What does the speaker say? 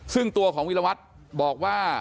ซึ่งตัวของวิรวัตรบอกว่า